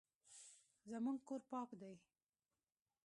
زموږ کور پاک دی